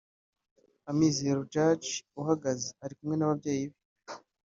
Amizero Juge (uhagaze) ari kumwe n’ababyeyi be